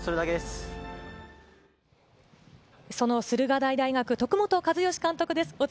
駿河台大学、徳本一善監督です。